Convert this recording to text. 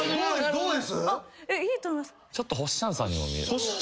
どうです？